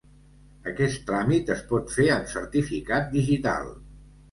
Aquest tràmit es pot fer amb certificat digital.